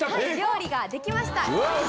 料理ができました。